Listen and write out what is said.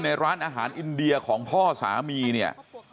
ในร้านอาหารอินเดียของพ่อสามีเนี่ย